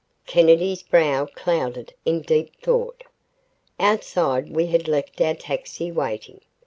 Kennedy's brow clouded in deep thought. Outside we had left our taxi, waiting.